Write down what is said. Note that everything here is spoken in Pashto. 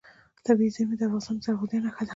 طبیعي زیرمې د افغانستان د زرغونتیا نښه ده.